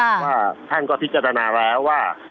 ว่าท่านก็พิจารณาแล้วว่า